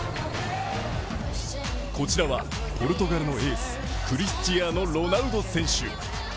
こちらはポルトガルのエース、クリスチアーノ・ロナウド選手。